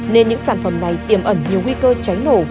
nên những sản phẩm này tiềm ẩn nhiều nguy cơ cháy nổ